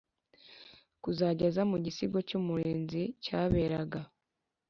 Kuzajya aza mu cyigisho cy umunara w umurinzi cyaberaga